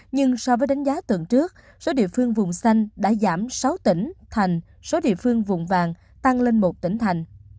nhưng so với đánh giá tuần trước số địa phương vùng xanh đã giảm sáu tỉnh thành số địa phương vùng vàng tăng lên một tỉnh thành